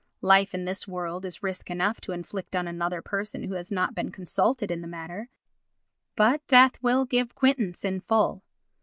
Life in this world is risk enough to inflict on another person who has not been consulted in the matter, but death will give quittance in full.